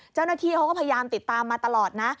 เจ้าหน้าที่เขาก็พยายามติดตามมาตลอดนะ